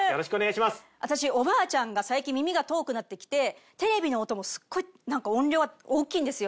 私おばあちゃんが最近耳が遠くなってきてテレビの音もすっごい音量が大きいんですよ。